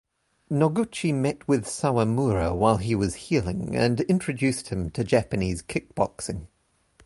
Noguchi met with Sawamura while he was healing, and introduced him to Japanese kickboxing.